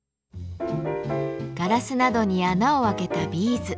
ガラスなどに穴を開けたビーズ。